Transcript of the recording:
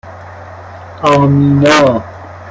امینا